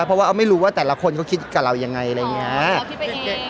เพราะว่าออฟไม่รู้ว่าแต่ละคนเขาคิดกับเรายังไงอะไรอย่างเงี้ยอ๋อเขาคิดไปเอง